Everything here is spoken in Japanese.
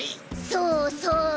そうそう。